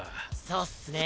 そうっすね。